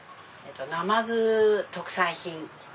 なまず特産品を。